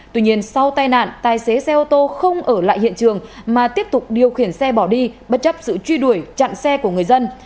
tuy nhiên sau tai nạn tài xế xe ô tô không ở lại hiện trường mà tiếp tục điều khiển xe bỏ đi bất chấp sự truy đuổi chặn xe của người dân